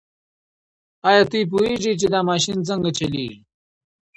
ایا تاسو پوهېږئ چې دا ماشین څنګه چلیږي؟